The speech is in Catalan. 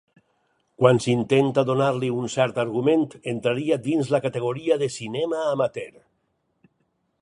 Quan s'intenta donar-li un cert argument, entraria dins la categoria de cinema amateur.